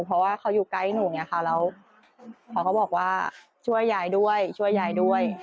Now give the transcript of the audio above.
เพราะว่าเขาอยู่ใกล้หนูเนี่ยค่ะแล้วเขาก็บอกว่าช่วยยายด้วยช่วยยายด้วย